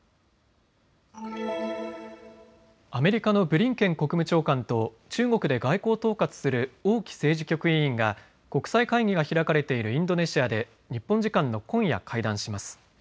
アメリカのブリンケン国務長官と中国で外交を統括する王毅政治局委員が国際会議が開かれているインドネシアで日本時間の今夜、会談します。